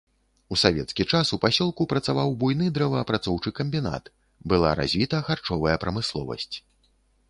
У савецкі час у пасёлку працаваў буйны дрэваапрацоўчы камбінат, была развіта харчовая прамысловасць.